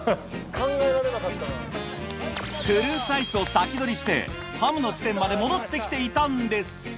フルーツアイスを先取りしてハムの地点まで戻ってきていたんです。